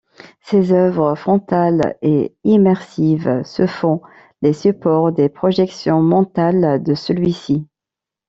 Ses œuvres, frontales et immersives, se font les supports des projections mentales de celui-ci.